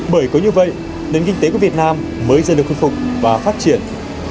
bởi có như vậy nên kinh tế của việt nam mới dần được khuân phục và phát triển